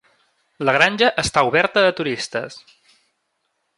La granja està oberta a turistes.